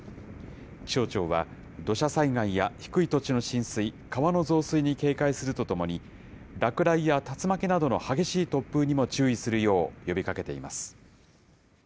気象庁は土砂災害や低い土地の浸水、川の増水に警戒するとともに、落雷や竜巻などの激しい突風にも注意するよう呼びかけています。